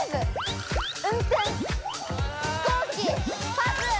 パス！